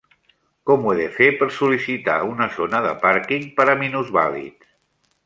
Com ho he de fer per sol·licitar una zona de parking per a minusvàlids?